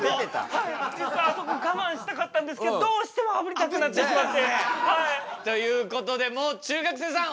実はあそこ我慢したかったんですけどどうしてもあぶりたくなってしまって。ということでもう中学生さん